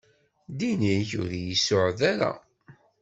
Ddin-ik ur iyi-suɛed ara.